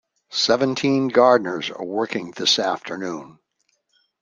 Seventeen gardeners are working this afternoon.